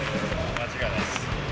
間違いないっす。